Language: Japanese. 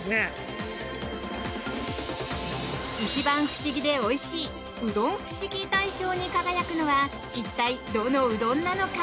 一番フシギでおいしいうどんフシギ大賞に輝くのは一体どのうどんなのか？